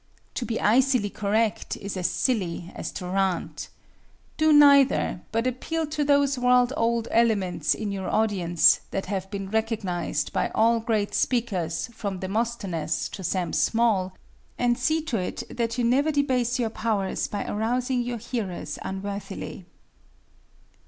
To be icily correct is as silly as to rant. Do neither, but appeal to those world old elements in your audience that have been recognized by all great speakers from Demosthenes to Sam Small, and see to it that you never debase your powers by arousing your hearers unworthily.